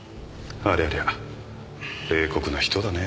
ありゃりゃ冷酷な人だね。